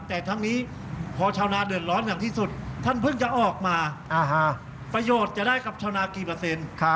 แต่ทั้งนี้พอชาวนาเดือดร้อนอย่างที่สุดท่านเพิ่งจะออกมาประโยชน์จะได้กับชาวนากี่เปอร์เซ็นต์